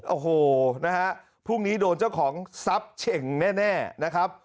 โอ้โหนะฮะพรุ่งนี้โดนเจ้าของทรัพย์เฉ่งแน่นะครับ